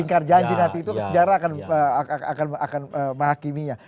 lingkar janji nanti itu sejarah akan menghakiminya